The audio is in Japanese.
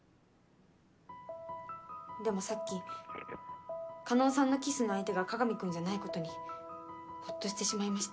でもさっき叶さんのキスの相手が各務君じゃないことにホッとしてしまいまし